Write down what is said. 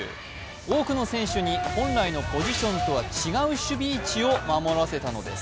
多くの選手に本来のポジションとは違う守備位置を守らせたのです。